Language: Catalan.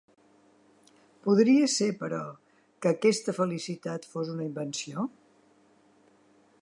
Podria ser, però, que aquesta felicitat fos una invenció?